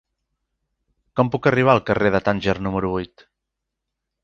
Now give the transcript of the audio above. Com puc arribar al carrer de Tànger número vuit?